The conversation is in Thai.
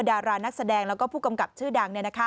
ดารานักแสดงแล้วก็ผู้กำกับชื่อดัง